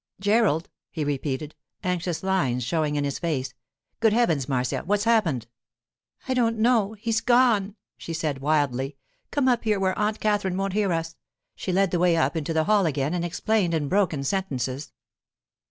'Gerald!' he repeated, anxious lines showing in his face. 'Good heavens, Marcia! What's happened?' 'I don't know; he's gone,' she said wildly. 'Come up here, where Aunt Katherine won't hear us.' She led the way up into the hall again and explained in broken sentences.